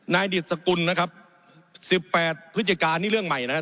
นายดิสกุลนะครับสิบแปดพฤศจิกานี่เรื่องใหม่นะครับ